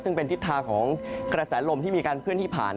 ซึ่งเป็นทิศทางของกระแสลมที่มีการเคลื่อนที่ผ่าน